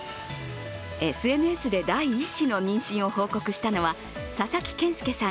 ＳＮＳで第１子の妊娠を報告したのは佐々木健介さん